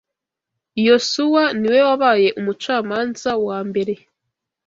Yosuwa ni we wabaye umucamanza wa mbere